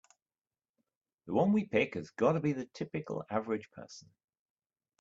The one we pick has gotta be the typical average person.